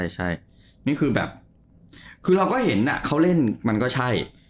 ใช่นี่คือแบบคือเราก็เห็นเขาเล่นมันก็ใช่